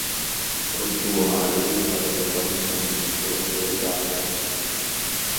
رُدّوها عَلَيَّ فَطَفِقَ مَسحًا بِالسّوقِ وَالأَعناقِ